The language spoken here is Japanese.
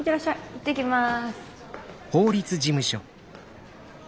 行ってきます。